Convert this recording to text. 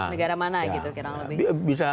negara mana gitu